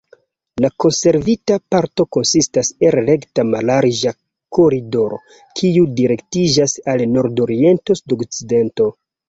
La konservita parto konsistas el rekta mallarĝa koridoro, kiu direktiĝas al nordoriento-sudokcidento.